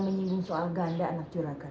menyinggung soal ganda anak curaka